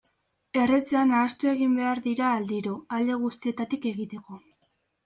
Erretzean nahastu egin behar dira aldiro, alde guztietatik egiteko.